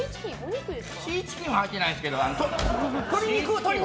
シーチキンは入ってないですけど鶏肉。